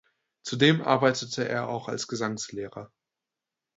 Zudem arbeitete er auch als Gesangslehrer.